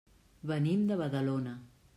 Venim de Badalona.